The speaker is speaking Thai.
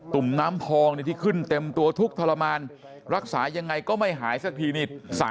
ุ่มน้ำพองที่ขึ้นเต็มตัวทุกข์ทรมานรักษายังไงก็ไม่หายสักทีนี่